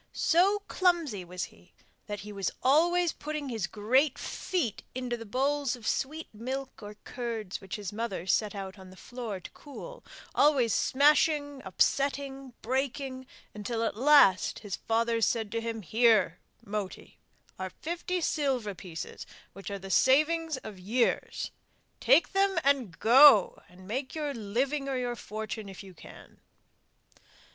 So clumsy was he that he was always putting his great feet into the bowls of sweet milk or curds which his mother set out on the floor to cool, always smashing, upsetting, breaking, until at last his father said to him: 'Here, Moti, are fifty silver pieces which are the savings of years; take them and go and make your living or your fortune if you can.